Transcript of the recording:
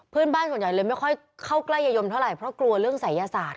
เพื่อนบ้านส่วนใหญ่ก็เลยไม่ค่อยเข้ากล้ายยายมเท่าไหร่เพราะกลัวเรื่องศัยยาศาสตร์ค่ะ